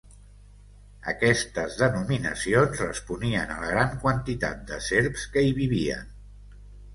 Aquestes denominacions responien a la gran quantitat de serps que hi vivien.